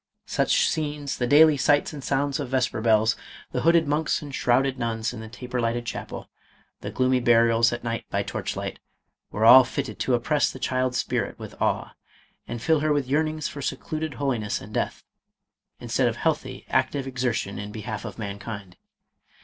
Such scenes, the daily sights and sounds of vesper bells, the hooded monks and shrouded nuns in the taper lighted chapel, the gloomy burials at night by torchlight, were all fitted to oppress the child's spirit with awe, and fill her with yearnings for seclud ed holiness and death, instead of healthy, active exer tion in behalf of mankind.